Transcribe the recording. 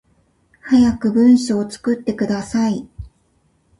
早く文章作ってください